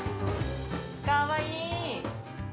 かわいいー。